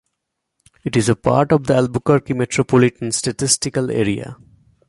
It is part of the Albuquerque Metropolitan Statistical Area.